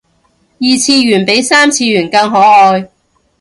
二次元比三次元更可愛